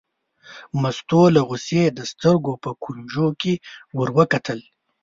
مستو له غوسې د سترګو په کونجو کې ور وکتل.